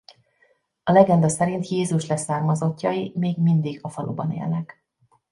A legenda szerint Jézus leszármazottjai még mindig a faluban élnek.